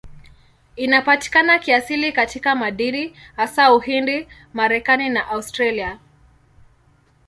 Inapatikana kiasili katika madini, hasa Uhindi, Marekani na Australia.